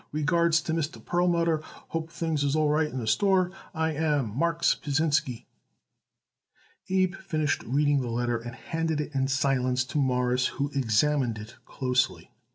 Regards to Mr. Perlmutter. Hoping things is all right in the store, I am, MARKS PASINSKY. Abe finished reading the letter and handed it in silence to Morris, who examined it closely.